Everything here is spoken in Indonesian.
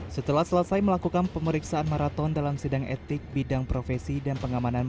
setelah selesai melakukan pemeriksaan maraton dalam sidang etik bidang profesi dan pengamanan